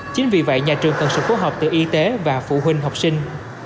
chính vì vậy nhà trường cần sự phối hợp từ y tế và phụ huynh học sinh